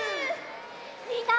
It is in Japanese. みんな！